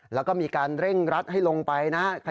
แล้วก็มีการเร่งรัดให้ลงไปนะครับ